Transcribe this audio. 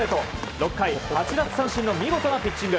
６回８奪三振の見事なピッチング。